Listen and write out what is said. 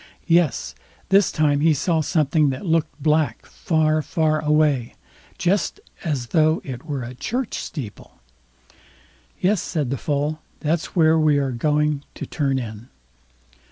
"Yes, this time he saw something that looked black far far away, just as though it were a church steeple." "Yes", said the Foal, "that's where we're going to turn in."